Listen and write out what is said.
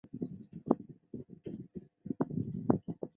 采用一洞四机的方式引水式地面发电厂房位于右岸。